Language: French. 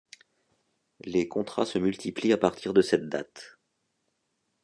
Les contrats se multiplient à partir de cette date.